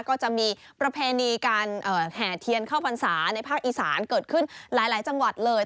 ก็จะมีประเพณีการแห่เทียนเข้าพรรษาในภาคอีสานเกิดขึ้นหลายจังหวัดเลย